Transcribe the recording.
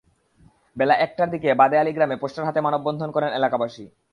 বেলা একটার দিকে বাদে আলী গ্রামে পোস্টার হাতে মানববন্ধন করেন এলাকাবাসী।